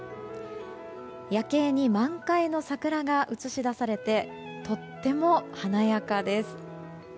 夜景に満開の桜が映し出されてとても華やかです。